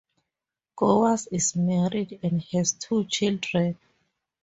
Gowers is married and has two children.